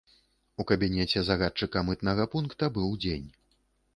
У кабінеце загадчыка мытнага пункта быў дзень.